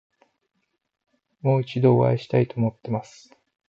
もう一度お会いしたいと思っています。